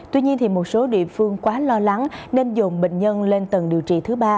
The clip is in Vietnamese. tuy nhiên một số địa phương quá lo lắng nên dồn bệnh nhân lên tầng điều trị thứ ba